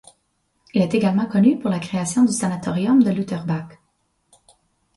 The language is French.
Il est également connu pour la création du sanatorium de Lutterbach.